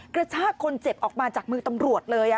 กระชากคนเจ็บออกมาจากมือตำรวจเลย